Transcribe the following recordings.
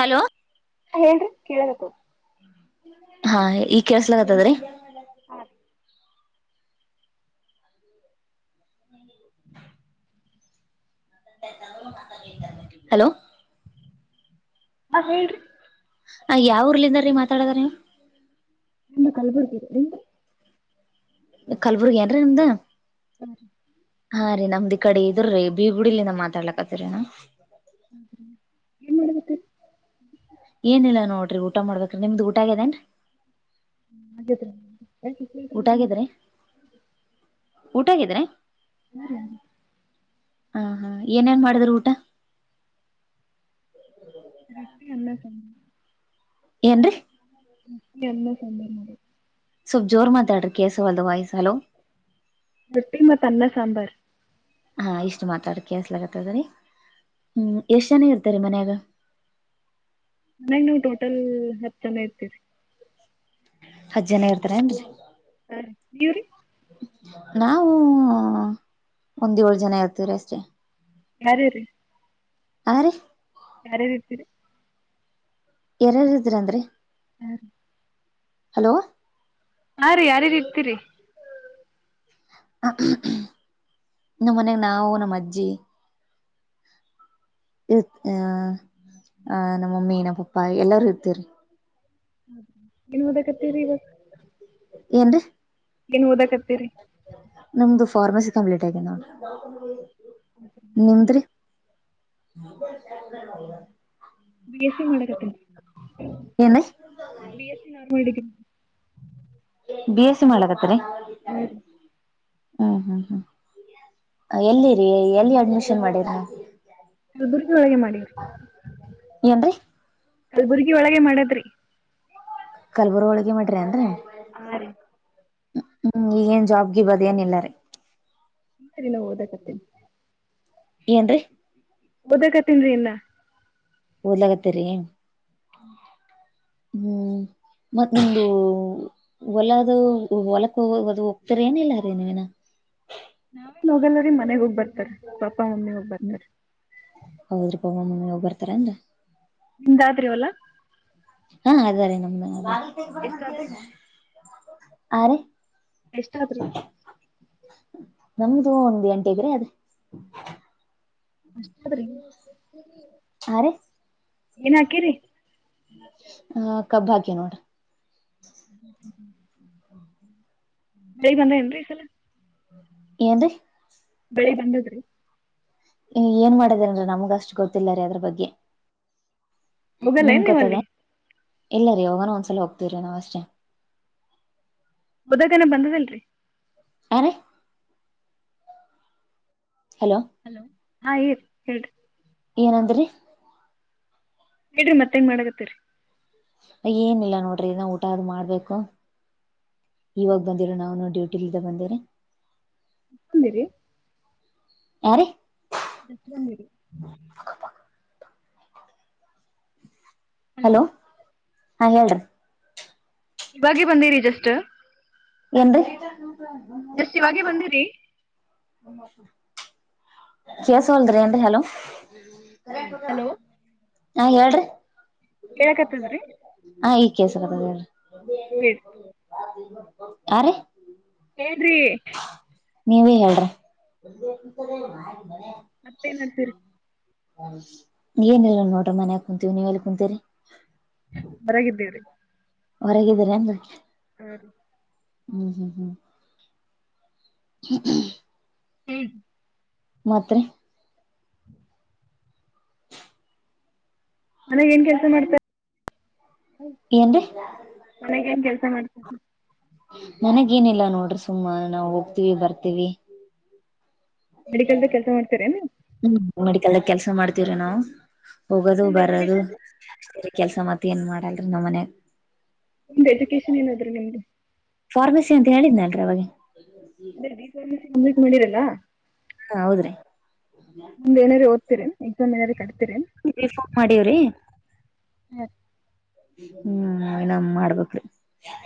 Hello ಹಾ ಹೇಳ್ರಿ ಕೇಳಕತ್ತದ ಹಾ ಈಗ ಕೇಸಲಕತದ್ರೀ ಹಾ ಹ ಹಲೋ ಹಾ ಹೇಳ್ರಿ ಹಾ ಯಾವ್ ಉರ್ಲಿದ ರೀ ಮಾತಾಡದ್ ನೀವು ನಮ್ದು ಕಲಬುರ್ಗಿ ಐತ್ರಿ ಕಲ್ಬುರ್ಗಿ ಏನ್ರೀ ನಿಮ್ದ್ ಹ್ಮ ಹಾ ರೀ ನಮ್ದಿ ಇ ಕಡೆ ಇದ್ರೀ ಬೀಗುಡ್ಲಿಂದ ಮಾತಾಡ್ಲಾಕತ್ತರಿೇನು ಹ ಏನಿಲ್ಲ ನೋಡ್ರಿ ಊಟ ಮಾಡಬೇಕ್ರ ನಿಮ್ದ ಊಟಾಗದೇನ್ ರಿ ಅಗೆದ್ರಿ ಊಟಾಗಿದ್ರೆ ಊಟಾಗಿದ್ರೆ ಹರಿ [unintelligible] ಹಾ ಹಾ ಏನೇನ್ ಮಾಡಿದ್ರ ಊಟ ರೊಟ್ಟಿ ಅನ್ನ ಸಾಂಬಾರ್ ಏನ್ರೀ ರೊಟ್ಟಿ ಅನ್ನ ಸಾಂಬಾರ್ ಸ್ವಲ್ಪ್ ಜೋರ್ ಮಾತಾಡ್ರಿ ಕೇಳ್ ಸವಲ್ದ ವಾಯ್ಸ್ ಹಲೋ ರೊಟ್ಟಿ ಮತ್ ಅನ್ನ ಸಾಂಬಾರ್ ಹಾ ಇಷ್ಟು ಮಾತಾಡಿ ಕೇಳ್ಸಕತ್ತದ್ರಿ ಹ್ಮ್ ಎಷ್ಟ್ ಜನ ಇರ್ತರಿ ಮನ್ಯಾಗ ನಾವ್ ಟೋಟಲ್ ಹತ್ತು ಜನ ಇರ್ತೀರಿ ಹತ್ ಜನ ಇರ್ತಾರೇನ್ರಿ ಹಾ ರೀ ನೀವ್ರೀ ನಾವು ಒಂದ ಏಳ್ ಜನ ಇರ್ತೀವ್ರ್ ರಿ ಅಷ್ಟೆ ಯಾರ್ ಯಾರಿ ಹಾ ರಿ ಯಾರ್ ಯಾರ್ ಇರ್ತಿರಿ ಯಾರಾರ ಇದೀರ್ ಅಂದ್ರೀ ಹಾ ರಿ ಹಲೋ ಹಾ ರಿ ಯಾರ್ಯಾರ್ ಇರ್ತಿೀರಿ ನಮ್ಮ ಮನೆಗ ನಾವು ನಮ್ಮ ಅಜ್ಜಿ ಇರ್ ಆ ಆ ನಮ್ಮಮ್ಮಿ ನಮ್ಮ ಪಪ್ಪಾ ಎಲ್ಲಾರೂ ಇರ್ತವಿರಿ. ಹೌದ ಏನ್ ಓದಕತ್ತಿರಿ ಇವಾಗ. ಏನ್ ರೀ. ಏನ್ ಓದಕ್ತ್ತೀರಿ. ನಮ್ದು ಫಾರ್ಮಸಿ ಕಂಪ್ಲೀಟ್ ಆಗ್ಯದ ನೋಡ ನಿಮ್ದ್ರಿ. [inaudible] ಬಿ ಎಸ್ ಸಿ ಮಾಡಕತ್ತನಿ ಏನ್ರೀ B S C normal degree. B S C ಮಾಡ್ಲಕತ್ರ್ಯ. ಹ್ಮ್ ಹ್ಮ್ ಹ್ಮ್ ಎಲ್ಲಿರಿ ಎಲ್ಲಿ ಅಡ್ಮಿಷನ್ ಮಾಡಿರಿ. ಕೆಲ್ಬುರ್ಗಿ ಒಳಗೆ ಮಾಡಿನ್ರಿ ಏನ್ರೀ ಕೆಲ್ಬುರ್ಗಿ ಒಳಗೆ ಮಾಡದ್ರಿ. ಕಲ್ಬುರ್ಗೊಳಗೆ ಮಾಡಿರ್ಯ ಅಂನ್ರಿ. ಹಾ ರೀ. ಹ್ಮ್ ಈಗೇನ್ ಜಾಬ್ ಗಿಬ್ ಅದೇನ ಇಲ್ಲಾರಿ. ಇಲ್ರಿ ಇನ್ನ ಓದಕತ್ತನಿ. ಏನ್ರಿ. ಓದತೀನ್ರಿ ಇನ್ನ. ಓದ್ಲತೀರಿ. [inaudible] ಮತ್ತ್ ನಿಮ್ದ ಹೊಲದು ಹೊಲಕ್ಕ ಹೊ ಅದು ಹೋಗತೀರ ಏನಿಲ್ಲ ರೀ ನೀವಿನ. ನಾವೇನ್ ಹೋಗಲ್ರೀ ಮನೆಗ್ ಹೋಗ್ ಬರ್ತಾರಿ ಪಪ್ಪಾ ಮಮ್ಮಿ ಹೋಗ್ ಬರ್ತಾರಿ. ಹೌದ್ರೀ [unintelligible] ಮಮ್ಮಿ ಹೋಗ ಬರ್ತಾರ ಏನ್ರಿ. ನಿಮ್ದಾದ್ರಿವಲ್ಲಾ. ಹಾ ಅದರಿ ನಮ್ದ್ ಆದ ಎಷ್ಟಾದ್ರಿ ಹಾ ರೀ. ಎಷ್ಟ ಆದ್ರಿ. ನಮ್ದು ಒಂದ್ ಎಂಟ ಇದ್ರೆ ಅದೇ ಅಷ್ಟದರಿ. ಹಾರೀ. ಏನ್ ಹಾಕಿರಿ. ಹ ಕಬ್ಬ ಹಾಕಿವಿ ನೋಡ್ರಿ. [inaudible] ಮಳಿ ಬಂದದ ಏನ್ರಿ ಇ ಸಲ. ಏನ್ರಿ. ಬೆಳಿ ಬಂದದ್ರಿ.. ಏನ್ ಮಾಡಿದೇನ್ರೀ ನಮಗ ಅಷ್ಟು ಗೊತ್ತಿಲ್ಲ ರೀ ಅದ್ರ ಬಗ್ಗೆ. ಹೋಗಲ್ಲ ನಿಮ್ ಏನ್ ನೀವ್ ಅಲ್ಲಿ ಗೊತ್ತದೆೇನ್ ಇಲ್ಲ ರೀ ಯಾವಗನ ಒಂದ್ಸಲ ಹೋಗ್ತೀವ್ರೀ ನಾವ್ ಅಷ್ಟೇ. ಬುದದಿನ ಬಂದದಲ್ರರಿ. ಹಾರೀ. ಹಲೋ. ಹಲೋ ಹಾ ಹೇಳ ಹೇಳ್ರರಿ. ಏನಂದ್ರರಿ. ಹೇಳ್ರಿ ಮತ್ತೇನ್ ಮಾಡಕತ್ತೀರಿ. ಏನಿಲ್ಲ ನೋಡ್ರಿ ಇನ ಊಟ ಅದು ಮಾಡ್ಬೇಕು. ಇವಾಗ ಬಂದಿವಿರೀ ನಾವ್ನು ಡ್ಯೂಟಿ ಟೀಲ್ಲಿದ ಬಂದ್ವಿರಿ. [inaudible] ಹಾರೀ. ಎಷ್ಟ ಬಂದಿರಿ. ಹಲೋ ಹಾ ಹೇಳ್ರಿ. ಇವಾಗ ಬಂದಿರಿ ಜಸ್ಟ್. ಏನ್ರಿ. ಜಸ್ಟ್ ಇವಾಗೆ ಬಂದಿರಿ. ಕೆಲಸವಲ್ಧ್ ರಿ ಅನ್ರಿ ಹಲೋ. ಹಲೋ ಹಾ ಹೇಳ್ರಿ. ಹೇಳಕತ್ತದ್ರಿ ಹ ಇಗ್ ಕೆಳಸಕತೈತಿ ಹೇಳ್ರಿ ಬೇಡ ಅ ರಿ. ಏನ್ರಿ. ನೀವೇ ಹೇಳ್ರಿ. ಮತ್ತೆನ್ ನಡ್ಸಿರಿ. ಏನ ಇಲ್ಲ ನೋಡ್ರ ಮನ್ಯ ಕುಂತೀವಿ ನೀವ್ ಎಲ್ಲಿ ಕುಂತಿರಿ. ಹೊರಾಗಿದ್ದೀವಿರಿ. ಹೊರಗಿದ್ದೀರ ಏನ್ರಿ. ಹ್ಮ ರೀ. ಹ್ಮ್ ಹ್ಮ್ ಹ್ಮ್ ಹ್ಮ ಹ್ಮ ಮಾತ್ರಿ. ಮನಾಗ ಏನ್ ಕೆಲಸ ಮಾಡ್ತೇ ಎನ್ರಿ. ಮನೆಗ್ ಏನ್ ಕೆಲಸ ಮಾಡ್ತಾರ ಮನೆಗೆ ಏನಿಲ್ಲಾ ನೋಡ್ರಿ ಸುಮ್ಮ ನಾವು ಹೋಗ್ತಿವಿ ಬರ್ತೀವಿ. ಮೆಡಿಕಲ್ದ ಕೆಲಸ ಮಾಡ್ತಾರೆನ್ ನೀವು. ಹ್ಮ್ ಮೆಡಿಕಲ್ದಾಗ ಕೆಲ್ಸ ಮಾಡ್ತವ್ರಿ ನಾವು ಹೋಗೋದು ನಿಮ್ದ್ ಬರದು. ಎಜುಕೇಶನ್ ರೀ ಅಷ್ಟೇ ರಿ ಕೆಲ್ಸ ಮತ್ ಏನ್ ಮಾಡಲ್ರಿ ನಮ್ ಮನೆಗೆ. ನಿಮ್ದು ಎಜುಕೇಶನ್ ಏನಾದ್ರ ನಿಮ್ದು. ಫಾರ್ಮಸಿ ಅಂತ ಹೇಳಿದ್ನಲ್ರಿ ಅವಾಗೆ. ಅಂದ್ರೆ ಬಿ ಫಾರ್ಮಸಿ ಕಂಪ್ಲೇಟ್ ಮಾಡಿರಲ್ಲ. ಹಾ ಹೌದ್ರಿ. ಮುಂದ್ ಏನಾರ ಓದ್ತಿರಿ ಏನ್ ಎಕ್ಸಮ್ ಏನಾರ ಕಟ್ತೀರೆನ್. B form ಮಾಡಿವ್ರಿ. ಹಾ ಹ್ಮ್ ಏನೋ ಮಾಡ್ಬೇಕ್ರಿ.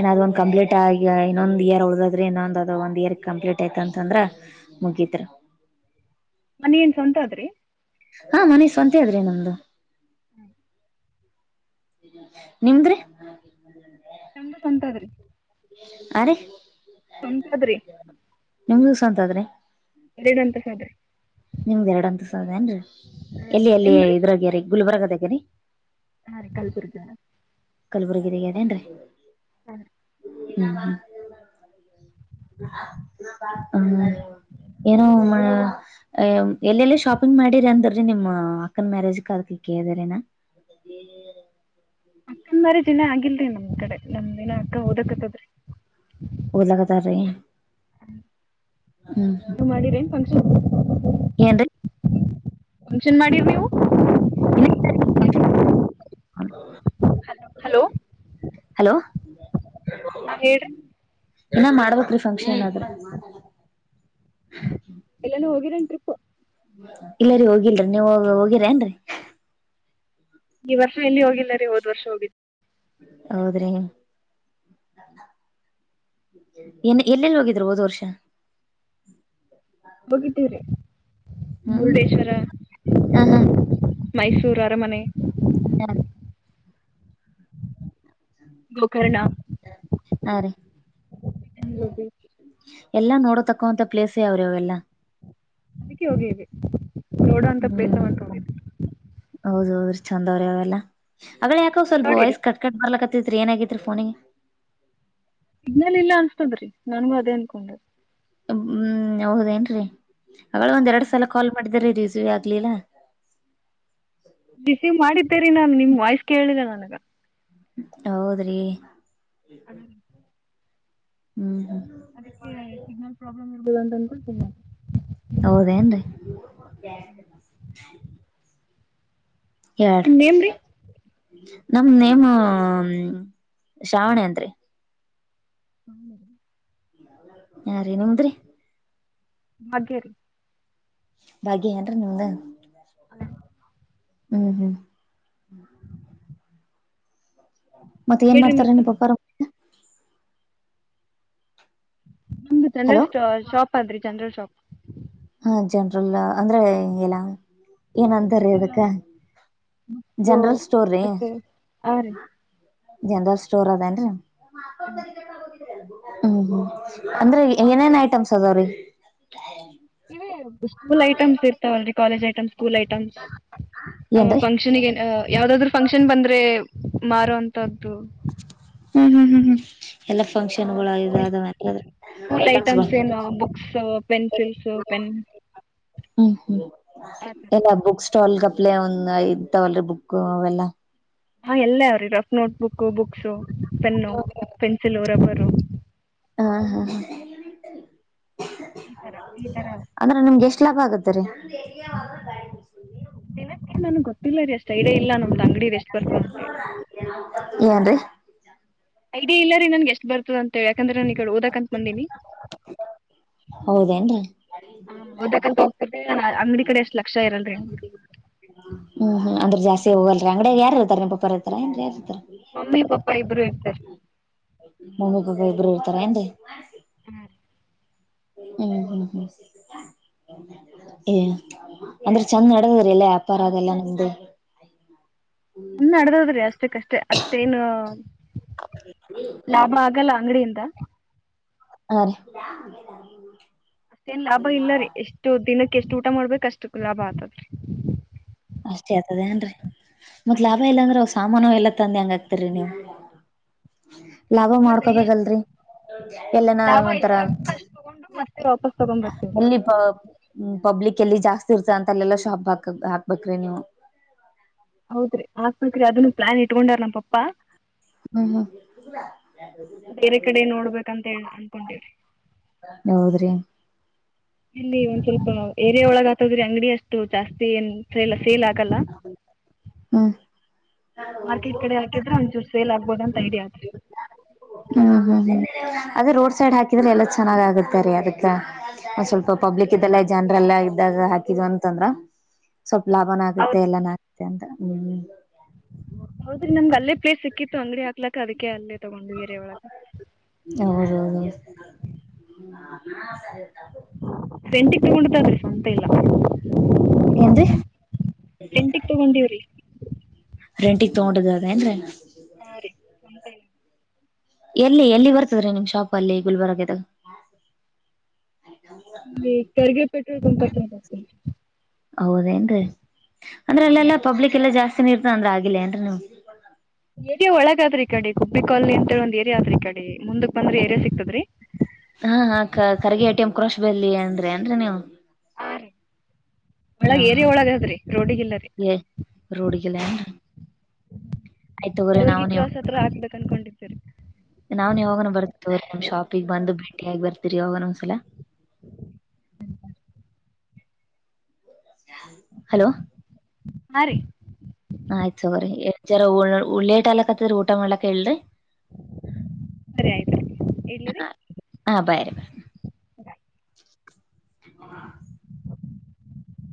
ಏನಾದ್ ಒಂದ ಕಂಪ್ಲೀಟ್ ಆಗ ಇನ್ನೊಂದ ಇಯರ್ ಉಳ್ದಾದ್ರೆ ಇನ್ನೊಂದ್ ಅ ಒಂದ್ ಇಯರ್ ಕಂಪ್ಲೀಟ್ ಆಯ್ತ ಅಂತಂದ್ರ. ಮುಗಿತ್ರಿ. ಮನಿ ಏನ್ ಸ್ವಂತ ಆದ್ರಿ. ಹಾ ಮನೆ ಸ್ವಂತೆ ಆದ್ರಿ ನಮ್ದು. ಹ್ಮ್ ನಿಮ್ದ್ರಿ. ನಮ್ದು ಸಂತದ್ರಿ. ಅ ರೀ ಸ್ವಂತ ಅದ್ರಿ ನಿಮ್ದ ಸ್ವಂತ ಅದ್ರಿ. ಎರಡ್ ಅಂತ ಸದ್ರರಿ. ನಿಮ್ದ ಎರಡಂತ ಸ ಏನ್ರಿ ಹಾಂ ಎಲ್ಲಿ ಅಲ್ಲಿ ನಿಮ್ದು ರೀ ಇದ್ರಾಗ್ಯರಿ ಗುಲ್ಬರ್ಗದಾಗರಿ. ಹಾ ರೀ ಕಲ್ಬುರ್ಗನ. ಕಲಬುರ್ಗಿದ ಇದಗ ಇದೇನ್ ರೀ. ಹ್ಮ ಹ್ಮ್ ಹ್ಮ ಏನೋ ಅ ಎಲ್ಲೆಲ್ಲ ಶಾಪಿಂಗ್ ಮಾಡಿರಿ ಅಂತ್ರಿ ನಿಮ್ಮ್ ಅಕ್ಕನ ಮ್ಯಾರೇಜ್ಗ ಅದಕ ಕೇಳ್ದರಿನಾ ಹ್ಮ್ ಅಕ್ಕಂದ ಮ್ಯಾರೇಜ್ ಇನ್ನ ಆಗಿಲ್ರಿ ನಮ್ ಕಡೆ ನಮ್ ದಿನ ಅಕ್ಕ ಓದಕತ್ತದ್ರಿ ಒದ್ಲಾಕತ್ತಾರ್ ರಿ ಹ್ಮ ಹ್ಮ ಮಾಡಿರೇನ್ ಫಂಕ್ಷನ್ ಏನ್ರೀ ಫುನ್ಕ್ಷನ್ ಮಾಡಿರ್ ನೀವು ಇನ್ನ ಇಲ್ಲ ರಿ ಹ [inaudible] ಹಲೋ ಹ್ಮ ಹಲೋ ಹ ಹೇಳರಿ ಏನ ಮಾಡ್ಬೇಕ್ ರಿ ಫಂಕ್ಷನ್ ಆದು ಎಲ್ಲಾನು ಹೋಗಿರೆನ್ ಟ್ರಿಪ್ ಇಲ್ಲರಿೀ ಹೋಗಿಲ್ರಿ ನೀವು ಹೋಗಿರ ಏನ್ರೀ ಈ ವರ್ಷ ಎಲ್ಲಿ ಹೋಗಿಲ್ಲ ರಿ ಒದ್ ವರ್ಷ ಹೋಗಿದ್ದೆ ಹೌದ್ರಿ ಎನ್ ಎಲ್ಲೆಲ್ಲಿ ಹೋಗಿದ್ರಿ ಹೋದ ವರ್ಷ ಹೋಗಿದಿವ್ರಿ ಹ್ಮ್ ಮುರುಡೇಶ್ವರ ಹಾ ಮೈಸೂರು ಅರಮನೆ ಹ ಗೋಕರ್ಣ ಹಾ ರೀ ಮಂಗಳೂರು ಬೀಚ್ ಎಲ್ಲ ನೋಡಕಾಂತ ಪ್ಲೇಸ್ ಯಾವ್ರಿ ಅವೆಲ್ಲ ಅದಕ್ಕೆ ಹೋಗೇವ್ರಿ ಹ್ಮ್ ಹೌದ ಹೌದ್ರ ಚಂದವ್ರ ಅವೆಲ್ಲ ಯಾಕ ಸ ಸ್ವಲ್ಪ ನೋಡಿರಿ ವಾಯ್ಸ್ ಕಟ್ ಕಟ್ ಬರ್ಲಕತ್ತತ್ ಏನಾಗಿದ ರಿ ಫೋನಿಗ ಸಿಗ್ನಲ್ ಇಲ್ಲ ಅನ್ಸ್ತದ್ರಿ ನನ್ಗೂ ಅದೇ ಅನ್ಕೊಂಡ ಹ್ಮ್ ಹೌದೇನ್ರೀ ಅವಗ್ಲೆ ಒಂದ್ ಎರಡ್ ಸಲ ಕಾಲ್ ಮಾಡಿದೆ ರೀ ರಿಸವ್ ಆಗ್ಲಿಲ್ಲ ರಿಸೀವ್ ಮಾಡಿದ್ದೇರಿ ನಾನ್ ನಿಮ್ ವಾಯ್ಸ್ ಕೇಳಿಲ್ಲ ನನಗ ಹೌದ್ರಿ ಹಾಂ ಹ್ಮ್ ಹ್ಮ್ ಅದಕ್ಕೆ ಸಿಗ್ನಲ್ ಪ್ರಾಬ್ಲಮ್ ಇರ್ಬೋದು ಅಂತ ಅನ್ಕೊಂಡು ತಿ ಹೌದೇನ್ರೀ ಎಡ್ ನಿಮ್ಮ ನೇಮ್ ರೀ ನಮ ನೇಮ್ ಶ್ರಾವಣಿ ಅಂತ್ರಿ [inaudible] ಹಾ ರಿ ನಿಮ್ದ್ ರಿ ಭಾಗ್ಯ ರೀ ಭಾಗ್ಯ ಏನ್ರಿೀ ನಿಮ್ದ ಹ್ಮ್ ಹ್ಮ್ ಮತ್ತೆ ಏನ್ ಹೇಳ್ರಿ ಮಾಡ್ತಾರ ಮತ್ತೆ ನಿ ಪ ನಮ್ದು ಜನ್ರಲ ಶಾಪ್ ಆದ್ರಿ ಚನ್ರಲ್ ಶಾಪ್ ಹ ಜನ್ರಲ್ ಅಂದ್ರೆ ಎಲ ಏನಂತಾರಿ ಅದಕ್ಕ. ಜನರಲ್ ಸ್ಟೋರ್ ರೀ ಮತ್ತೆ ಆ ರೀ ಜನರಲ್ ಸ್ಟೋರ್ ಅದೇನ್ರರಿ. ಹ್ಮ ಹ್ಮ್ ಹ್ಮ್ ಅಂದ್ರೆ ಏನೇನ್ ಐಟಮ್ಸ್ ಅದಾವ್ರೀ. ಸ್ಕೂಲ್ ಐಟಮ್ಸ್ ಇರ್ತಾವಲ್ರಿ ಕಾಲೇಜ್ ಐಟಮ್ಸ್. ಕೂಲ್ ಐಟಮ್ಸ್ ಅ ಏನ್ರೀ ಫಂಕ್ಷನಿಗೆ ಯಾವ್ದಾದ್ರು. ಫಂಕ್ಷನ್ ಬಂದ್ರೆ ಮಾರೂವಂತದ್ದು. ಹ್ಮ್ ಹ್ಮ್ ಹ್ಮ್ ಹ್ಮ್ ಎಲ್ಲ. ಫಂಕ್ಷನ್ ಸ್ಕೂಲ್ ಇದಾವ ಏನ್ರಿ ಸ್ಕೂಲ್ ಐಟಮ್ಗಳು. ಐಟಮ್ಸ್ ಏನು ಬುಕ್ಸ್ ಪೆನ್ಸಿಲ್ಸ್ ಪೆನ್ ಹ್ಮ್ ಹ್ಮ್ ಆತರ ಎಲ್ಲ ಬುಕ್ಸ್. ಸ್ಟಾಲ್ ಗಪ್ಲೆ ಒಂದ್ ಐದ್ ತಾವಲ್ರಿ ಬುಕ್ ಅವೆಲ್ಲ. ಹಾ ಎಲ್ಲ ಅವ್ರಿ rough notebook books pen pencil rubber. ಹಾ ಹಾ ಹಾ. ಈ ತರ ಈ ತರ ಅಂದ್ರೆ ನಿಮ್ಗೆ ಎಷ್ಟ ಲಾಭ ಆಗುತ್ತರಿ. ದಿನಕ್ಕೆ ನನ್ಗ್ ಗೊತ್ತಿಲ್ಲ ರೀ ಅಷ್ಟ ಐಡಿಯಾ ಇಲ್ಲ ನಮ್ದು ಅಂಗಡಿ ಎಷ್ಟು. ಏನ್ರಿ. ಐಡಿಯಾ ಇಲ್ಲ ರಿ ನನ್ಗೆಷ್ಟು ಬರ್ತದ ಅಂತೇಳಿ ಯಾಕಂದ್ರೆ ನಾನು ಈಗಡೆ ಓದಕ್ ಅಂತ ಬಂದನಿ. ಹೌದೆನ್ರಿ. ಓದಕ್ ಅಂತ ಹೋಗ್ತಿನ್ರಿ ಅಂಗ್ಡಿ ಕಡೆ ಎಷ್ಟ. ಲಕ್ಷ ಇರಲ್ಲ. ಹ್ಮ್ ಹ್ಮ್ ಅಂದ್ರೆ ಜಾಸ್ತಿ ಹೋಗಲ್ರಿ ಅಂಗ್ಡ ಯಾರು ಇರ್ತಾರೆ ನಿಮ್ಮ ಪಾಪ ಇರ್ತಾರ ಏನ್ರಿ ಯಾರ ಇರ್ತಾರ. ಮಮ್ಮಿ ಪಪ್ಪ ಇಬ್ರು ಇರ್ತಾರೆ. ಮಮ್ಮಿ ಪಾಪ ಇಬ್ರು ಇರ್ತಾರ ಏನ್ರಿ. ಹ್ಮ ಹ್ಮ್ ಹ್ಮ ಹ್ಮ್ ಏ ಅಂದ್ರೆ ಚೆಂದ ನಡೆದದ್ರೀ ಎಲ್ಲ ವ್ಯಾಪಾರ ಅದೆಲ್ಲಾ ನಿಮ್ದು. ಇನ್ ನಡೆದದ್ರಿ ಅಷ್ಟಕ್ಕಷ್ಟೇ ಅಷ್ಟೇನು. ಲಾಭ ಆಗಲ್ಲ ಅಂಗಡಿಯಿಂದ. ಹ ರೀ. ಲಾಭ ಇಲ್ಲ ರೀ ಎಷ್ಟು ದಿನಕ್ಕೆ ಎಷ್ಟು ಊಟ ಮಾಡ್ಬೇಕ್ ಅಷ್ಟು ಲಾಭ ಆತದ್ರಿ. ಅಷ್ಟೇ ಆಗ್ತದ ಏನ್ರೀ ಮತ್ ಹಾ ಲಾಭ ರೀ ಇಲ್ಲಾಂದ್ರೆ ಹೊಸ. ಸಾಮಾನು ಎಲ್ಲ ತಂದ ಹೆಂಗ ಆಕ್ತರಿ ನೀವು ಲಾಭ ಮತ್ತೆ ಎಷ್ಟ್ ಮಾಡ್ಕೊಬೇಕೇಲ್ರರಿ. ಎಲ್ಲ ನ ಲಾಭ ಒಂಥರ ಎಷ್ಟ್ ಆಗ್ತದ ಅಷ್ಟ್ ತಗೊಂಡು ಮತ್ತೆ ವಾಪಸ್ ತಗೊಂಡ್ ಬರ್ತೀವಿ. ಮಲ್ಲಿ. ಪಬ್ಲಿಕ್ ಎಲ್ಲಿ ಜಾಸ್ತಿ ಇರ್ತ ಅಂತ ಅಲ್ಲೆಲ್ಲಾ ಶಾಪ್ ಹಾಕ ಹಾಕ್ಬೇಕ್ರಿ ನೀವು. ಹೌದ್ರಿ ಹಾಕ್ಬೇಕ್ರಿ ಅದನ್ನು ಪ್ಲಾನ್ ಇಟ್ಕೊಂಡಾರ ನಮ್ ಪಪ್ಪಾ. ಹ್ಮ್ ಹ್ಮ್ ಬೇರೆ ಕಡೆ ನೋಡ್ಬೇಕಂತ ಹೇಳಿ ಅನ್ಕೊಂಡಿವ್ರಿ. ಹೌದ್ರಿ. ಇಲ್ಲಿ ಒಂದ್ ಸ್ವಲ್ಪ ಏರೆ ಒಳಗ ಹತದ್ರೆ ಅಂಗಡಿ ಅಷ್ಟು ಜಾಸ್ತಿ ಏನ್ ಸೆಲ್ ಸೇಲ್ ಆಗಲ್ಲ. ಹ್ಮ್ ಮಾರ್ಕೆಟ್ ಕಡೆ ಹಾಕಿದ್ರೆ ಒಂಚೂರು ಸೇಲ್ ಆಗ್ಬುದು ಅಂತ ಐಡಿಯಾ ಅದ್ರಿ. ಹ್ಮ್ ಹ್ಮ್ ಹ್ಮ್ ಅದೇ ರೋಡ್ ಸೈಡ್ ಹಾಕಿದ್ರೆ ಎಲ್ಲಾ ಚೆನ್ನಾಗ್ ಆಗುತ್ತೆ ರೀ ಅದಕ್ಕ. ಒಂದ್ ಸ್ವಲ್ಪ ಪಬ್ಲಿಕ್ ಇದದೆಲ್ಲ ಜನರಲ್ಲ ಇದಾಗ ಹಾಕಿದು ಅಂದ್ರೆ ಅಂತಂದ್ರ. ಸ್ವಲ್ಪ ಲಾಭನ ಆಗುತ್ತೆ ಹೌದ್ರಿ ಎಲ್ಲಾನ ಆಗುತ್ತೆ ಅಂತ ಹ್ಮ್. ಹೌದ್ರಿ ನಮ್ ಅಲ್ಲೇ ಪ್ಲೇಸ್ ಸಿಕ್ಕಿತ್ತು ಅಂಗಡಿ ಹಾಕ್ಲಕ್ಕ ಅದಕ್ಕೆ ಅಲ್ಲೇ ತಗೊಂಡು ಏರಿಯಾಹೊಳಗೆ. ಹೌದೌದು [unintelligible] [unintelligible] ರೆಂಟಿಗ್ ತಗೊಂಡಿದ್ದಾರಿ ಸ್ವಂತ ಇಲ್ಲ. ಎಂದ್ರಿ ರೆಂಟಿಗ್ ತಗೊಂಡಿವ್ರಿ. ರೆಂಟಿಗೆ ತಗೊಂಡಿದ್ದರೆಂದ್ರಿ? ಹಾ ರೀ [unintelligible] ಎಲ್ಲಿ ಎಲ್ಲಿ ಬರ್ತದ್ರೀ ನಿಮ್ ಶಾಪ್ ಅಲ್ಲಿ ಗುಲ್ಬರ್ಗದು? ಇಲ್ಲಿ [unintelligible] ಪೆಟ್ರೋಲ್ ಬಂಕ್ ಅತ್ರ ಬರ್ತೀನಿ. ಹೌದೇಏನ್ರೀ ಅಂದ್ರ ಅಲ್ಲೆಲ್ಲಾ ಪಬ್ಲಿಕ್ ಎಲ್ಲಾ ಜಾಸ್ತಿನ ಇರ್ತ ಅಂದ್ರ ಆಗಿಲ್ಲ ಏನ್ರೀ ನೀವು ಏರಿಯಾ ಒಳಗಾದ್ರ ಈ ಕಡೆ ಗುಬ್ಬಿ ಕಾಲನಿ ಅಂತಿ ಒಂದ ಏರಿಯಾದ ಆದ್ರಿ ಈ ಕಡೆ ಮುಂದಕ್ ಬಂದ್ರೆ ಏರಿಯಾ ಸಿಕ್ತದ್ರೀ ಹಾ ಹಾ Kharge A T M crash ಬೆಲ್ಲಿ ಅಂದ್ರೆ ಅಂದ್ರೆ ನೀವು ಹಾ ರೀ [unintelligible] ಹ ಒಳಗ ಹಾ ಏರಿಯಾ ಒಳಗದ್ರಿ ರೋಡಿಗಿಲ್ಲ ರೀ. ಏ ರೋಡ್ಗಿಲ್ಲ ಏನ್ರಿ ಆಯ್ತ್ ತಗೋರಿ ನಾವ್ ಯವ್ರಿಗೆ ನೀವು ಕ್ರಾಸ್ ಹತ್ರ ಹಾಕ್ಬೇಕ ಅನ್ಕೊಂಡಿದ್ದೀವಿ. ನಾವ್ನ್ ಯಾವಾಗಾದ್ರು ಬರ್ತವ್ ತಗೋರಿ ನಮ್ಮ್ ಶಾಪಿಗೆ ಬಂದು ಭೇಟಿಯಾಗಿ ಬರ್ತೀರಿ ಯಾವಾಗದ್ರು ಒಂದ್ಸಲ. ಹಲೋ ಹಾ ರೀ ಆಯ್ತ್ ತಗೋರಿ [unintelligible] ಲೇಟ್ ಆಗಾಕತಿದ್ರೆ ಊಟಾ ಮಾಡ್ಲಾಕ್ ಹೇಲ್ರಿ ಸರಿ ಆಯ್ತ್ ಆಯ್ತ್ ಇಡ್ಲಿ ಹ ರೀ ಹ ಬಾಯ್ ಬಾಯ್ ರಿ ಬಾಯ್ [unintelligible]